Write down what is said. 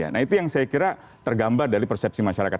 nah itu yang saya kira tergambar dari persepsi masyarakat